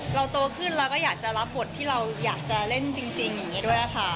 โตขึ้นแล้วก็อยากจะรับบทที่เราอยากจะเล่นจริงอย่างนี้ด้วยค่ะ